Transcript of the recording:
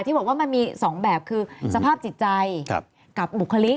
ที่บอกว่ามันมี๒แบบคือสภาพจิตใจกับบุคลิก